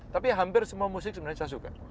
tapi hampir semua musik sebenarnya saya suka